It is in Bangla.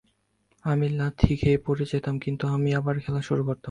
আমি লাথি খেয়ে পড়ে যেতাম, কিন্তু আমি আবার খেলা শুরু করতাম।